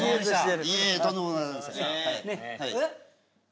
いえいえとんでもございません。